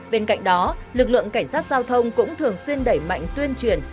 bên cạnh đó lực lượng cảnh sát giao thông cũng thường xuyên đẩy mạnh tuyên truyền